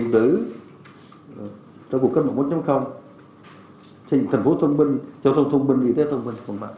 tử trong cuộc cách mạng một thành phố thông minh châu thông thông minh y tế thông minh